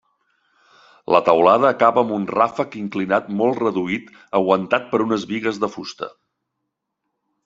La teulada acaba amb un ràfec inclinat molt reduït aguantat per unes bigues de fusta.